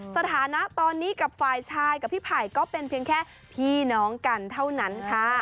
สถานะตอนนี้กับฝ่ายชายกับพี่ไผ่ก็เป็นเพียงแค่พี่น้องกันเท่านั้นค่ะ